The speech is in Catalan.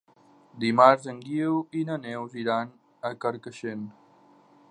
Dimarts en Guiu i na Neus iran a Carcaixent.